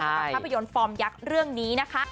อาประโยนฟอร์มยักษ์เรื่องนี้นะคะ